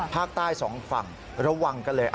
ภาคใต้สองฝั่งระวังกันเลย